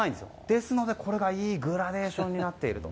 ですので、いいグラデーションになっていると。